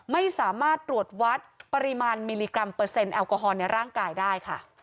ไม่สามารถตรวจวัดปริมาณมิลลิกรัมเปอร์เซ็นแอลกอฮอลในร่างกายได้ค่ะ